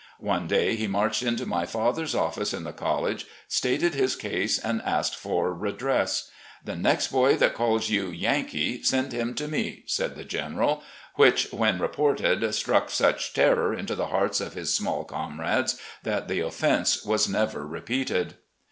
One day he marched into my father's office in the college, stated his case, and asked for redress. " The next boy that calls you ' Yankee ' send him to me," said the General, which, when reported, struck such terror into the hearts of his small comrades that the offense was never repeated.